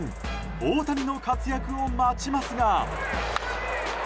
大谷の活躍を待ちますが。